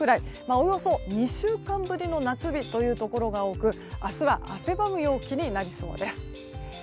およそ２週間ぶりの夏日というところが多く明日は汗ばむ陽気になりそうです。